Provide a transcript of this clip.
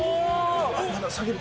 まだ下げる時。